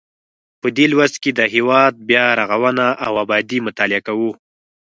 په دې لوست کې د هیواد بیا رغونه او ابادي مطالعه کوو.